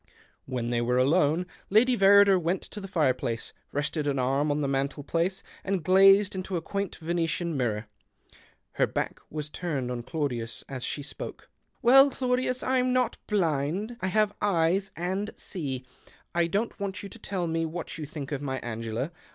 When they were alone, Lady Verrider went ) the fireplace, rested an arm on the mantel iece and gazed into a quaint Venetian lirror. Her back was turned on Claudius ^ she spoke —" Well, Claudius, I'm not blind. I have yeB and see. I don't want you to tell me hat you think of my Angela.